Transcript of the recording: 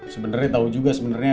sebenernya tau juga sebenernya